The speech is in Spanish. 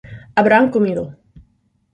Habrán comido